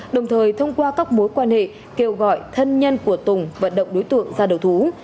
đồng thời thông qua các mối quan hệ kêu gọi thân nhân của tùng vận động đối tượng ra đầu thú